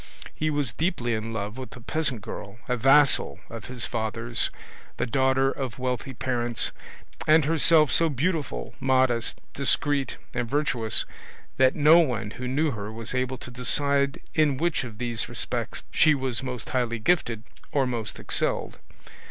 He was deeply in love with a peasant girl, a vassal of his father's, the daughter of wealthy parents, and herself so beautiful, modest, discreet, and virtuous, that no one who knew her was able to decide in which of these respects she was most highly gifted or most excelled.